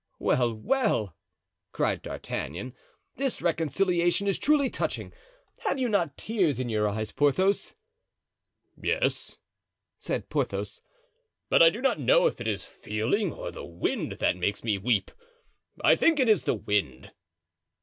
"Well, well," cried D'Artagnan, "this reconciliation is truly touching; have you not tears in your eyes, Porthos?" "Yes," said Porthos; "but I do not know if it is feeling or the wind that makes me weep; I think it is the wind."